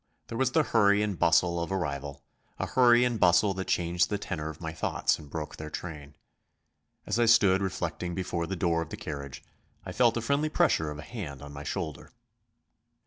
There was the hurry and bustle of arrival, a hurry and bustle that changed the tenor of my thoughts and broke their train. As I stood reflecting before the door of the carriage, I felt a friendly pressure of a hand on my shoulder.